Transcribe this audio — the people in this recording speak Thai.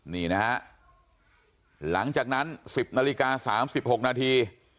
นี่นะฮะหลังจากนั้น๑๐นาฬิกา๓๖นาที